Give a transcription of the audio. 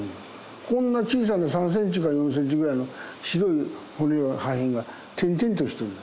こんな小さな３センチか４センチぐらいの白い骨が、破片が点々としとる。